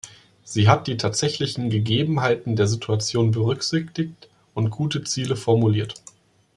Sie hat die tatsächlichen Gegebenheiten der Situation berücksichtigt und gute Ziele formuliert.